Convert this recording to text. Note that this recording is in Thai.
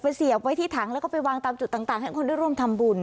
เสียบไว้ที่ถังแล้วก็ไปวางตามจุดต่างให้คนได้ร่วมทำบุญ